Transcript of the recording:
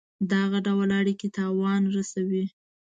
دغه ډول اړېکي تاوان رسوي.